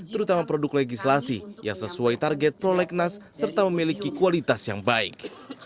terutama produk legislasi yang sesuai target prolegnas serta memiliki kualitas yang baik